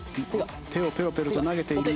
手をペロペロとなめている。